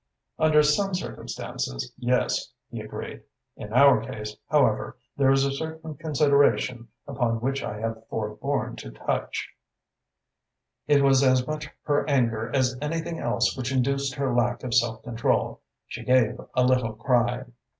"Under some circumstances, yes," he agreed. "In our case, however, there is a certain consideration upon which I have forborne to touch " It was as much her anger as anything else which induced her lack of self control. She gave a little cry.